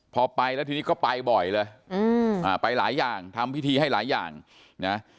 พอไปแล้วทีนี้ก็ไปบ่อยเลยอืมอ่าไปหลายอย่างทำพิธีให้หลายอย่างนะ